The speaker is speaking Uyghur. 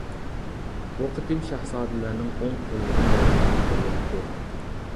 بۇ قېتىم شاھزادىلەرنىڭ ئوڭ قوللىرى يارىدار بولۇپتۇ.